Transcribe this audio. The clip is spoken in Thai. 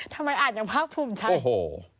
ทำไมอาจจะมากภูมิชัยโอ้โห